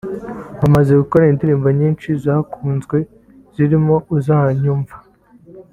Bamaze gukora indirimbo nyinshi zakunzwe zirimo ‘Uzanyumva’